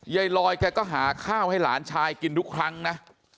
ยายลอยแกก็หาข้าวให้หลานชายกินทุกครั้งนะ